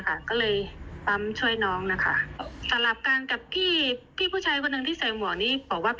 ไปวอร์ดซ้ำอีกทีค่ะ